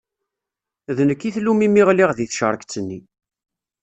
D nekk i tlum imi ɣliɣ di tcerket-nni.